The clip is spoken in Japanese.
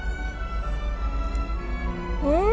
うん！